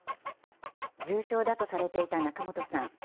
重傷だとされていた仲本さん。